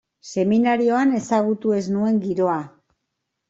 Seminarioan ezagutu ez nuen giroa.